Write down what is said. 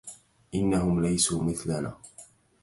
إنهم ليسو مثلنا